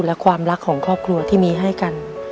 และความรักของครอบครัวที่มีให้กัน